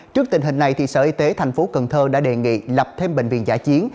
trước tình hình này sở y tế thành phố cần thơ đã đề nghị lập thêm bệnh viện giả chiến